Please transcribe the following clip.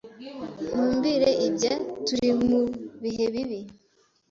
Ntumbwire ibya . Turi mu bihe bibi.